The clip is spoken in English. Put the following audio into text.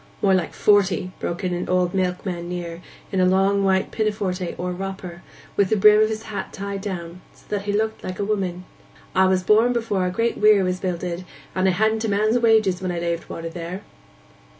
'More like forty,' broke in an old milkman near, in a long white pinafore or 'wropper,' and with the brim of his hat tied down, so that he looked like a woman. ''A was born before our Great Weir was builded, and I hadn't man's wages when I laved water there.